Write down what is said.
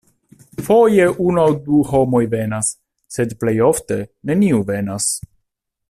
Foje unu aŭ du homoj venas, sed plejofte neniu venas.